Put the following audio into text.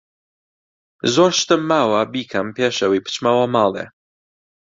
زۆر شتم ماوە بیکەم پێش ئەوەی بچمەوە ماڵێ.